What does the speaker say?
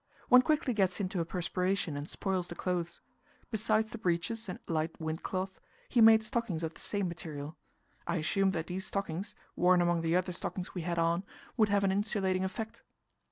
One quickly gets into a perspiration, and spoils the clothes. Besides the breeches and anorak of light wind cloth, he made stockings of the same material. I assumed that these stockings worn among the other stockings we had on would have an insulating effect.